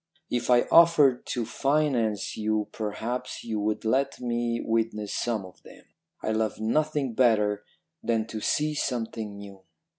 If I offered to finance you perhaps you would let me witness some of them. I love nothing better than to see something new.'